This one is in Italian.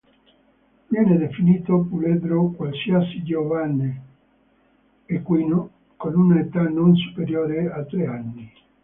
Viene definito puledro qualsiasi giovane equino con una età non superiore a tre anni.